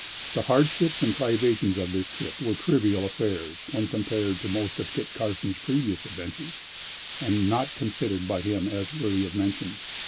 The hardships and privations of this trip were trivial affairs when compared to most of Kit Carson's previous adventures, and not considered by him as worthy of mention.